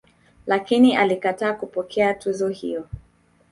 Lakini alikataa kupokea tuzo hiyo.